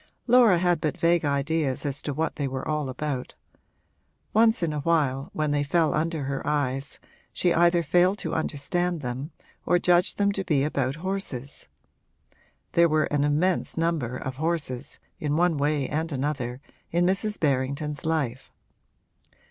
Laura had but vague ideas as to what they were all about; once in a while, when they fell under her eyes, she either failed to understand them or judged them to be about horses. There were an immense number of horses, in one way and another, in Mrs. Berrington's life.